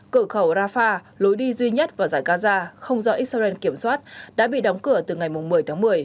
cửa khẩu rafah lối đi duy nhất vào giải gaza không do israel kiểm soát đã bị đóng cửa từ ngày một mươi tháng một mươi